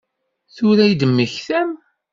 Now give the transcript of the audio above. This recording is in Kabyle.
Tura i d-temmektam?